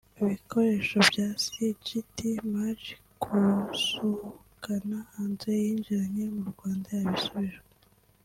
Ibikoresho bya Sgt Maj Kusukana Andre yinjiranye mu Rwanda yabisubijwe